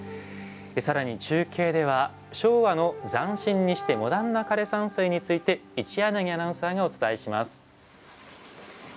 更に中継では昭和の斬新にしてモダンな枯山水について一柳アナウンサーがお伝えします。